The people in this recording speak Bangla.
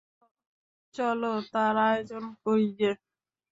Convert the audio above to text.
চলো তার আয়োজন করি গে।